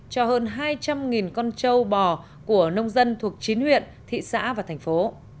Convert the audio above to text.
cho hơn hai trăm linh con châu bò của nông dân thuộc chín huyện thị xã và thành phố